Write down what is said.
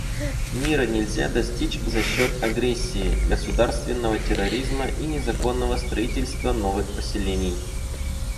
Мира нельзя достичь за счет агрессии, государственного терроризма и незаконного строительства новых поселений.